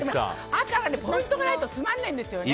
赤のポイントがないとつまらないんですよね。